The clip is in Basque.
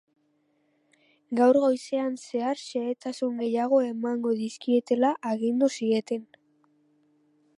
Gaur goizean zehar xehetasun gehiago emango dizkietela agindu zieten.